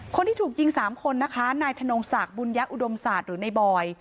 คนที่ถูกยิง๓คนนะคะนายธนงศักดิ์บุญญะอุดมศาสตร์หรือในบอย